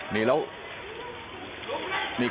นี่แล้ว